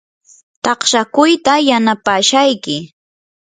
taqshakuyta yanapashayki.